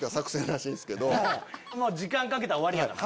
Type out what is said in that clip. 時間かけたら終わりやからな。